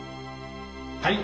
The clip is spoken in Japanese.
「はい。